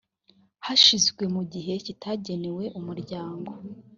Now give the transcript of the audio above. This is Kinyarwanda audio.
hashinzwe mu gihe kitagenwe umuryango